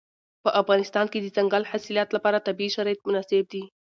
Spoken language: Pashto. په افغانستان کې د دځنګل حاصلات لپاره طبیعي شرایط مناسب دي.